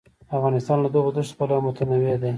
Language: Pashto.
افغانستان له دغو دښتو پلوه متنوع دی.